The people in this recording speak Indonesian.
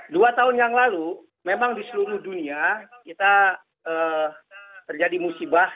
dua tahun yang lalu memang di seluruh dunia kita terjadi musibah